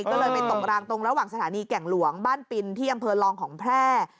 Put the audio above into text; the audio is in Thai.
ก็เลยไปตกรางตรงระหว่างสถานีแก่งหลวงบ้านปินที่อำเภอลองของแพร่